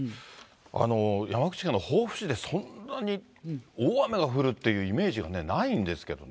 山口県の防府市で、そんなに大雨が降るっているイメージがないんですけどもね。